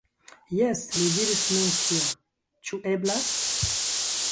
Jes, li diris min tion. Ĉu eblas?